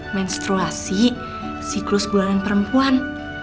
menstruasi siklus bulanan perempuan